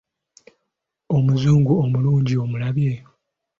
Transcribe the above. Omuzungu omulungi omulabye?